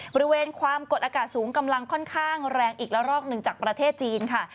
บริเวณความกดอากาศสูงกำลังค่อนข้างแรงอีกละรอกหนึ่งจากประเทศจีนค่ะ